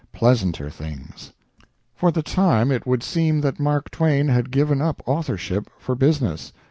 PLEASANTER THINGS For the time it would seem that Mark Twain had given up authorship for business.